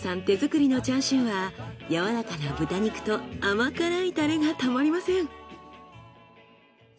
手作りのチャーシューはやわらかな豚肉と甘辛いタレがたまりません。